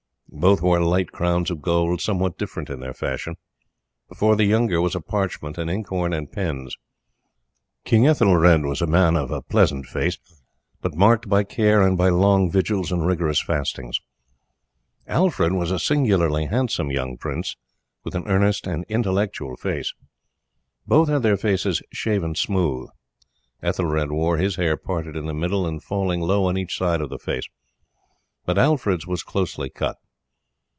Both wore light crowns of gold somewhat different in their fashion. Before the younger was a parchment, an inkhorn, and pens. King Ethelred was a man of a pleasant face, but marked by care and by long vigils and rigorous fastings. Alfred was a singularly handsome young prince, with an earnest and intellectual face. Both had their faces shaven smooth. Ethelred wore his hair parted in the middle, and falling low on each side of the face, but Alfred's was closely cut.